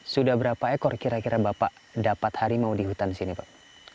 sudah berapa ekor kira kira bapak dapat harimau di hutan sini pak